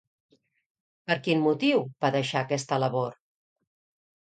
Per quin motiu va deixar aquesta labor?